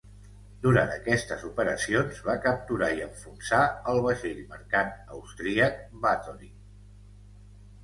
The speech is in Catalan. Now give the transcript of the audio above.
Durant aquestes operacions, va capturar i enfonsar el vaixell mercant austríac "Bathori".